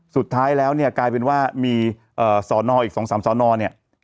สุดท้ายแล้วเนี่ยกลายเป็นว่ามีสอนออีก๒๓สอนอเนี่ย